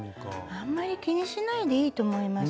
あんまり気にしないでいいと思います。